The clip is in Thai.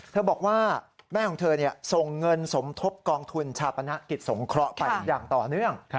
บอกว่าแม่ของเธอส่งเงินสมทบกองทุนชาปนกิจสงเคราะห์ไปอย่างต่อเนื่อง